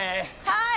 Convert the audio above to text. はい！